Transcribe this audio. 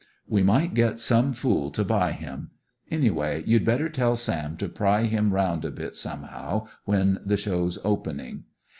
We might get some fool to buy him. Anyway, you'd better tell Sam to pry him round a bit somehow when the show's opening.